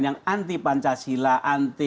yang anti pancasila anti